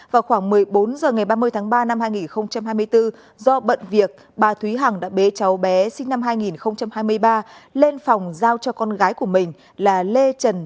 vào khoảng một mươi bốn h ngày ba mươi tháng ba năm hai nghìn hai mươi bốn do bận việc bà thúy hằng đã bế cháu bé sinh năm hai nghìn hai mươi ba lên phòng giao cho con gái của mình là lê trần